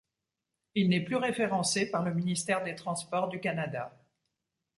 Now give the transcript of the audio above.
Il n'est plus référencé par le ministère des transports du Canada.